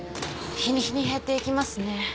日に日に減っていきますね。